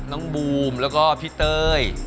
น้องบูมและก็พี่เตย